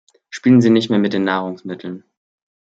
Spielen Sie nicht mehr mit den Nahrungsmitteln.